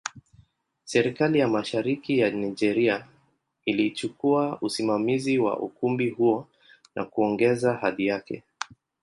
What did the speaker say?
Serikali ya Mashariki ya Nigeria ilichukua usimamizi wa ukumbi huo na kuongeza hadhi yake.